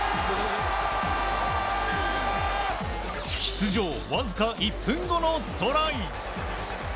出場わずか１分後のトライ。